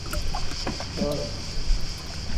ŝtormo